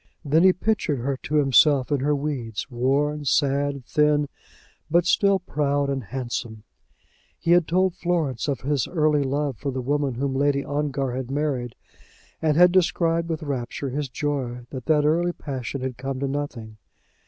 Then he pictured her to himself in her weeds, worn, sad, thin, but still proud and handsome. He had told Florence of his early love for the woman whom Lord Ongar had married, and had described with rapture his joy that that early passion had come to nothing.